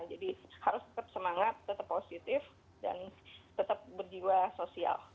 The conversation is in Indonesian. jadi harus tetap semangat tetap positif dan tetap berjiwa sosial